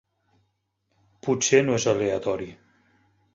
Potser no és aleatori.